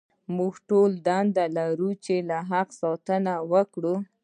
موږ ټول دنده لرو چې له حق ساتنه وکړو.